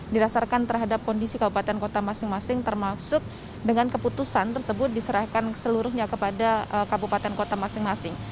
dirasarkan terhadap kondisi kabupaten kota masing masing termasuk dengan keputusan tersebut diserahkan seluruhnya kepada kabupaten kota masing masing